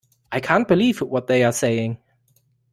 I can't believe what they're saying.